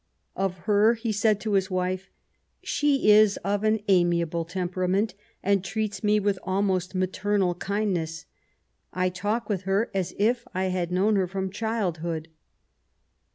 Of her he said to his wife :" She is of an amiable temperament, and treats me with almost maternal kindness. I talk with her as if I had known her from childhood."